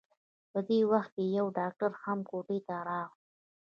په دې وخت کې يوه ډاکټره هم کوټې ته راغله.